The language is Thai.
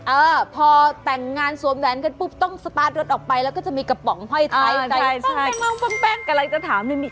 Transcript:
เออพอแต่งงานซวมแหวนก็ปุ๊บต้องสตาร์ทรถออกไปแล้วจะมีกระป๋องไข้ไทย